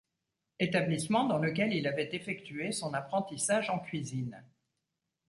Établissement dans lequel il avait effectué son apprentissage en cuisine.